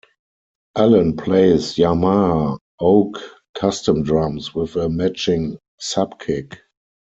Allen plays Yamaha Oak Custom drums with a matching subkick.